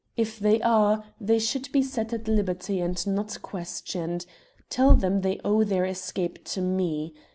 If they are, they should be set at liberty and not questioned. Tell them they owe their escape to me.